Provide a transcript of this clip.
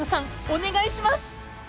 お願いします！］